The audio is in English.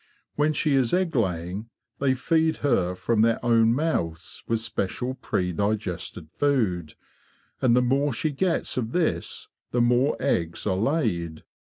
When she is egg laying they feed her from their own mouths with special predigested food; and the more she gets of this, the more eggs are laid.